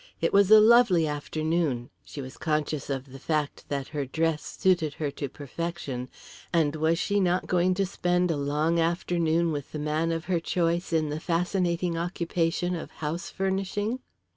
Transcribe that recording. It was a lovely afternoon, she was conscious of the fact that her dress suited her to perfection, and was she not going to spend a long afternoon with the man of her choice in the fascinating occupation of house furnishing?